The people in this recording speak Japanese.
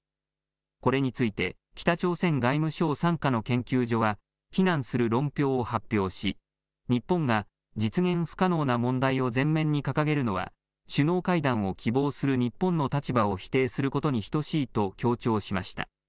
これについて北朝鮮外務省傘下の研究所は非難する論評を発表し日本が実現不可能な問題を前面に掲げるのは首脳会談を希望する日本の立場を否定することに等しいと強調しました。